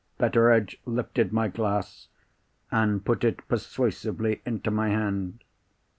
Betteredge lifted my glass, and put it persuasively into my hand.